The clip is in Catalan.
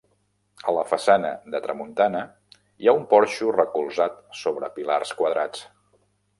A la façana de tramuntana hi ha un porxo recolzat sobre pilars quadrats.